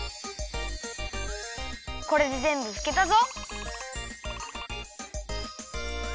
これでぜんぶふけたぞ！